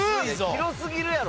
広すぎるやろ。